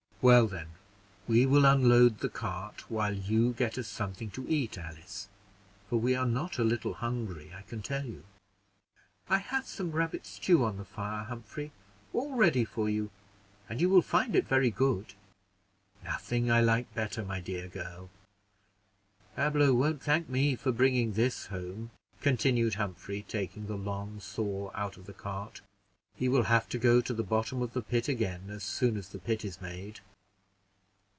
"Well, then, we will unload the cart, while you get us something to eat, Alice, for we are not a little hungry. I can tell you." "I have some rabbit stew on the fire, Humphrey, all ready for you, and you will find it very good." "Nothing I like better, my dear girl. Pablo won't thank me for bringing this home," continued Humphrey, taking the long saw out of the cart; "he will have to go to the bottom of the pit again, as soon as the pit is made."